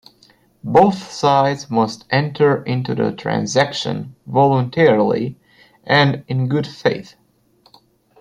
Both sides must enter into the transaction "voluntarily" and in "good faith".